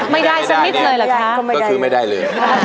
ไม่ได้สักนิดเลยเหรอคะก็ซื้อไม่ได้เลย